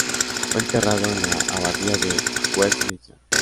Fue enterrado en la Abadía de Westminster.